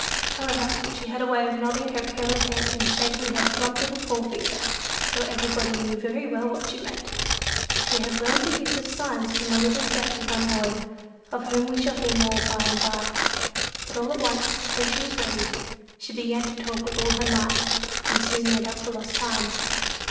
However, she had a way of nodding her curly head, and shaking her plump little forefinger; so everybody knew very well what she meant. She had learned the use of signs from a little deaf and dumb boy of whom we shall hear more by and by; but all at once, when she was ready she began to talk with all her might, and soon made up for lost time.